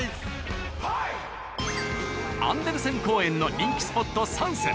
アンデルセン公園の人気スポット３選。